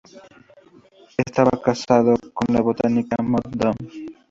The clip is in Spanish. Estaba casado con la botánica Maud Dunn.